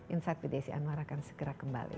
insight with desi anwar akan segera kembali